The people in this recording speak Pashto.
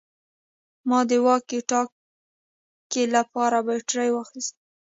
ما د واکي ټاکي لپاره بیټرۍ واخیستې